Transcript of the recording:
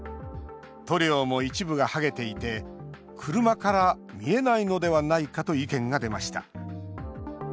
塗料も一部が剥げていて車から見えないのではないかと意見が出ました。